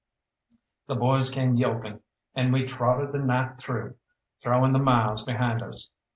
The boys came yelping, and we trotted the night through, throwing the miles behind us.